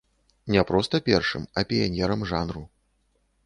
Не проста першым, а піянерам жанру.